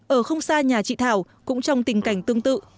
ở không xa nhà chị thảo cũng trong tình cảnh tương tự